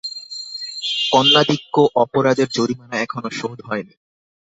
কন্যাধিক্য-অপরাধের জরিমানা এখনো শোধ হয় নি।